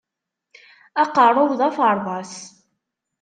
Aqeṛṛu-w d aferḍas!